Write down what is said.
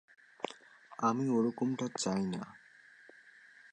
আমি ওরকমটা চাই না।